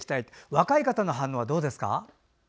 若い方の反応はどうですか？